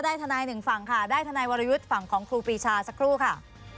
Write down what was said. ทนายหนึ่งฝั่งค่ะได้ทนายวรยุทธ์ฝั่งของครูปีชาสักครู่ค่ะ